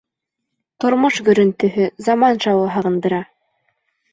Тормош гөрөнтөһө, заман шауы һағындыра.